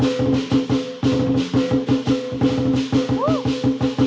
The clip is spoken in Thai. เฮ้ยมันสวยมากแล้วมันตระกาศตา